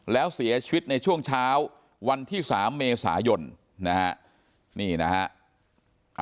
แล้วเสียชีวิตในช่วงเช้าวันที่๓เมษายนนะฮะนี่นะฮะ